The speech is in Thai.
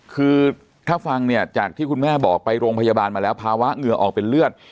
คือถ้าฟังเนี่ยจากที่คุณแม่บอกไปโรงพยาบาลมาแล้วภาวะเหงื่อออกเป็นเลือด